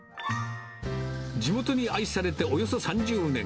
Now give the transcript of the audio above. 地元に愛されておよそ３０年。